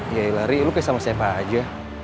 ya ri lo kayak sama siapa aja